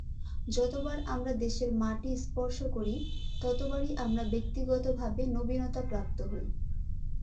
যতবার আমরা দেশের মাটি স্পর্শ করি, ততবারই আমরা ব্যক্তিগতভাবে নবীনতা প্রাপ্ত হই।